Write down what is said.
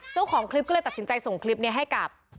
เจ้าของคลิปก็เลยตัดสินใจส่งคลิปนี้ให้กับ